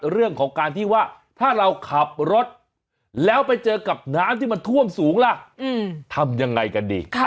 เรื่องของการที่ว่าถ้าเราขับรถแล้วไปเจอกับน้ำที่มันท่วมสูงล่ะทำยังไงกันดี